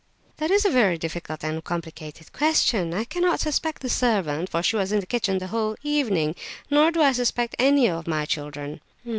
"That is a very difficult and complicated question. I cannot suspect the servant, for she was in the kitchen the whole evening, nor do I suspect any of my children."